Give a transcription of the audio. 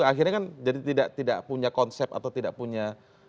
akhirnya kan jadi tidak punya konsep atau tidak punya